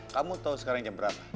kamu tahu sekarang jam berapa